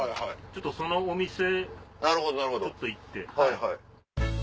ちょっとそのお店ちょっと行って。